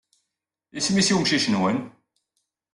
Isem-nnes umcic-nwen?